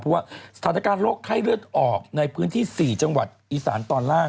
เพราะว่าสถานการณ์โรคไข้เลือดออกในพื้นที่๔จังหวัดอีสานตอนล่าง